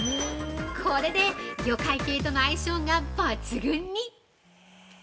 ◆これで魚介系との相性が抜群に。